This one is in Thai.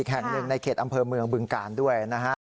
แห่งหนึ่งในเขตอำเภอเมืองบึงกาลด้วยนะฮะ